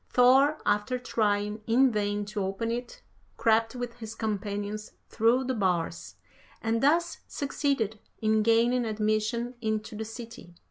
Thor, after trying in vain to open it, crept with his companions through the bars, and thus succeeded in gaining admission into the city.